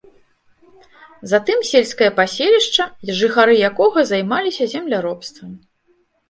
Затым сельскае паселішча, жыхары якога займаліся земляробствам.